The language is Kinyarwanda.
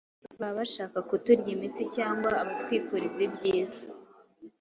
baba abashaka kuturya imitsi cyangwa abatwifuriza ibyiza